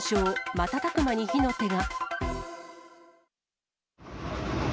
瞬く間に火の手が。